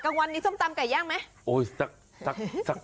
กลางวันนี้ส้มตำไก่ย่างไหม